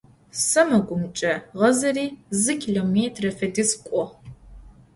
СэмэгумкӀэ гъазэри зы километрэ фэдиз кӀо.